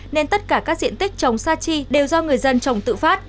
nên tất cả các diện tích trồng sa chi đều do người dân trồng tự phát